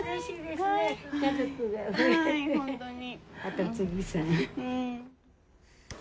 後継ぎさん。